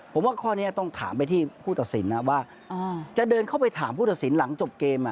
ผมว่าข้อนี้ต้องถามไปที่ผู้ตัดสินนะว่าจะเดินเข้าไปถามผู้ตัดสินหลังจบเกม